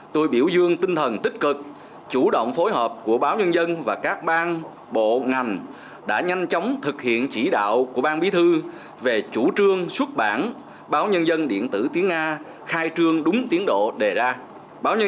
tôi biểu dương tinh thần tích cực chủ động phối hợp của báo nhân dân và các ban bộ ngành đã nhanh chóng thực hiện chỉ đạo của ban bí thư về chủ trương xuất bản báo nhân dân điện tử tiếng nga khai trương đúng tiến độ đề ra